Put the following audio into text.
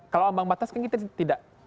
kalau ambang batas kan kita tidak